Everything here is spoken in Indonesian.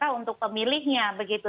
dan juga untuk pemilihnya begitu